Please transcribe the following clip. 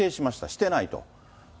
してないと。